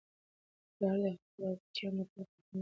پلار د خپلو بچیانو لپاره قرباني ورکوي.